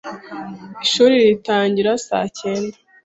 Ishuri ritangira saa cyenda.